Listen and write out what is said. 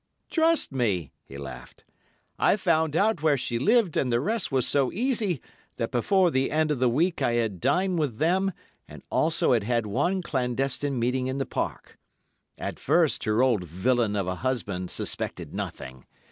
"'Trust me,' he laughed. 'I found out where she lived, and the rest was so easy that before the end of the week I had dined with them, and also had had one clandestine meeting in the Park. At first her old villain of a husband suspected nothing.